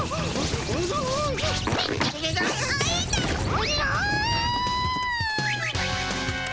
おじゃ！